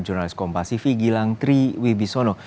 jurnalis kompasivi gilang tri wibisono